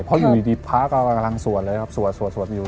เพราะอยู่ดีพร้าทก็กำลังสวดก็สวดอยู่